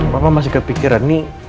papa masih kepikiran nih